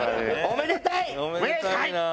おめでたい！